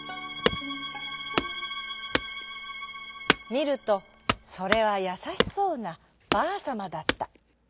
みるとそれはやさしそうなばあさまだった。